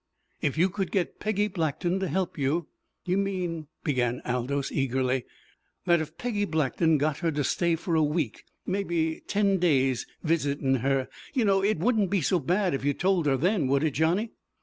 "If you could get Peggy Blackton to help you " "You mean " began Aldous eagerly. "That if Peggy Blackton got her to stay for a week mebby ten days visitin' her, you know, it wouldn't be so bad if you told her then, would it, Johnny?"